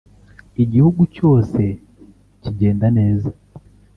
igihugu cyose kigenda neza